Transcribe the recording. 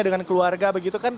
dengan keluarga begitu kan